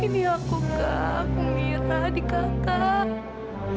ini aku kak aku mira di kakak